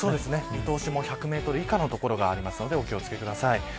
見通しも１００メートル以下の所があるのでお気を付けください。